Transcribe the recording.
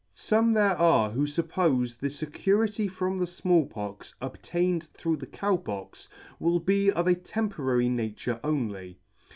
Some there are who fuppofe the fecurity from the Small Pox obtained through the Cow Pox will be of a temporary nature only.